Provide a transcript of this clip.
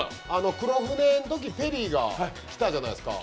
黒船のときペリーが来たじゃないですか。